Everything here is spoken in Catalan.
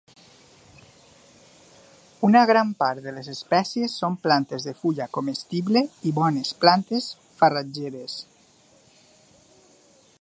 Una gran part de les espècies són plantes de fulla comestible i bones plantes farratgeres.